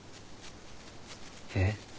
えっ？